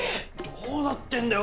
どうなってんだよ